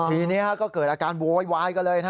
ทีนี้ก็เกิดอาการโวยวายกันเลย